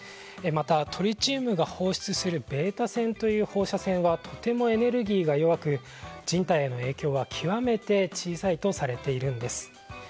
またトリチウムが放出するベータ線という放射線はとてもエネルギーが弱く人体への影響は極めて小さいとされているんです。